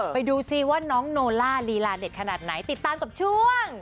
ไปดูซิว่าน้องโนล่าลีลาเด็ดขนาดไหนติดตามกับช่วง